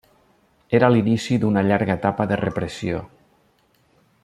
Era l'inici d'una llarga etapa de repressió.